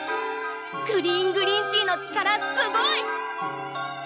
クリーングリーンティの力すごい！